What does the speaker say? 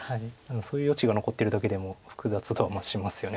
そういう余地が残ってるだけでも複雑度は増しますよね